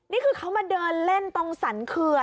นี่คือเขามาเดินเล่นตรงสรรเขื่อน